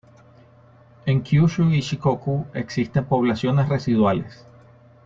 En Kyushu y Shikoku existen poblaciones residuales.